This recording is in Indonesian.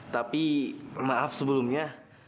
tapi maaf sebelumnya